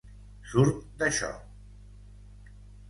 Surt d'això!